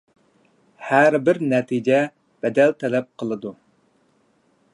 ھەربىر نەتىجە بەدەل تەلەپ قىلىدۇ.